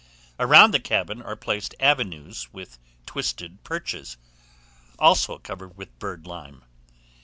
Around the cabin are placed avenues with twisted perches, also covered with birdlime.